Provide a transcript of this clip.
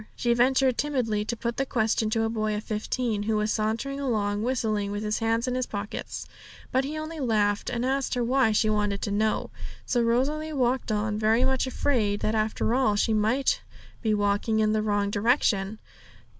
She ventured timidly to put the question to a boy of fifteen, who was sauntering along, whistling, with his hands in his pockets; but he only laughed, and asked her why she wanted to know. So Rosalie walked on, very much afraid that after all she might be walking in the wrong direction.